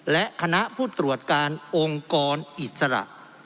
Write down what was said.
และคณะผู้ตรวจการองค์กรอิสระ